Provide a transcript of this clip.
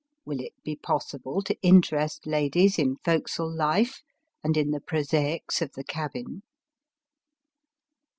Will it be possible to interest ladies in forecastle life and in the prosaics of the cabin